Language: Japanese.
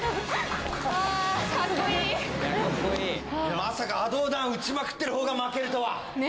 まさかはどうだん打ちまくってるほうが負けるとは。